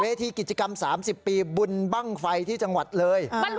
ทีกิจกรรม๓๐ปีบุญบ้างไฟที่จังหวัดเลย